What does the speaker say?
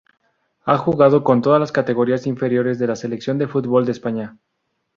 Ha jugado con todas las categorías inferiores de la selección de fútbol de España.